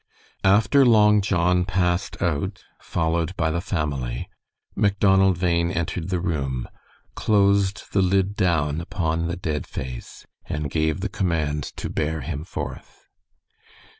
After Long John passed out, followed by the family, Macdonald Bhain entered the room, closed the lid down upon the dead face, and gave the command to bear him forth.